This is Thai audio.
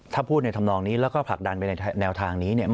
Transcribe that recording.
ถ้าพูดในธรรมนองนี้แล้วก็ผลักดันไปในแนวทางนี้เนี่ย